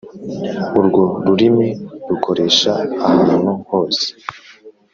urwo rurimi rukoresha ahantu hose